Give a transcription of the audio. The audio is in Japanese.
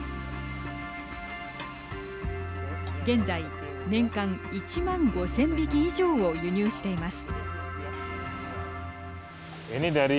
現在、年間１万５０００匹以上を輸入しています。